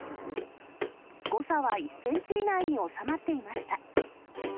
誤差は１センチ以内に収まっていました。